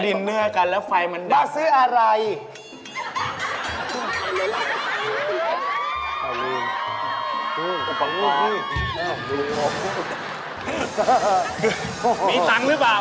มีเงี๋ยวหรือกัน